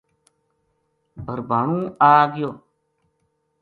بھربھانو آ گیو